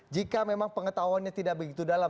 jika memang pengetahuannya tidak begitu dalam